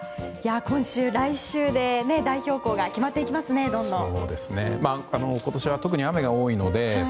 今週、来週で代表校が決まっていきますね、どんどん。